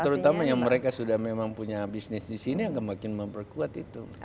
ya terutama yang mereka sudah memang punya bisnis di sini yang semakin memperkuat itu